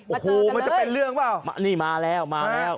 โอ้โหมันจะเป็นเรื่องเปล่ามานี่มาแล้วมาแล้ว